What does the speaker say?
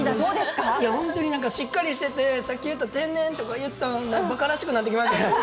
いや、本当にしっかりしてて、さっき言った天然とかいったのばからしくなってきましたね。